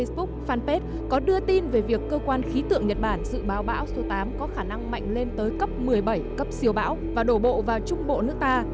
facebook fanpage có đưa tin về việc cơ quan khí tượng nhật bản dự báo bão số tám có khả năng mạnh lên tới cấp một mươi bảy cấp siêu bão và đổ bộ vào trung bộ nước ta